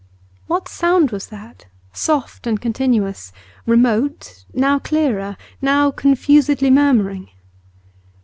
What sound was that, soft and continuous, remote, now clearer, now confusedly murmuring?